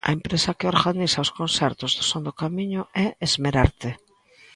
A empresa que organiza os concertos do Son do Camiño é Esmerarte.